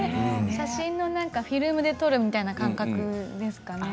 写真のフィルムで撮るみたいな感覚ですかね。